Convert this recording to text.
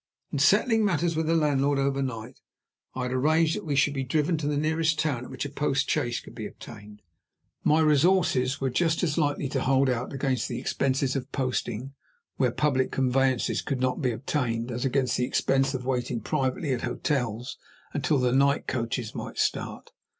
In settling matters with the landlord over night, I had arranged that we should be driven to the nearest town at which a post chaise could be obtained. My resources were just as likely to hold out against the expenses of posting, where public conveyances could not be obtained, as against the expense of waiting privately at hotels, until the right coaches might start.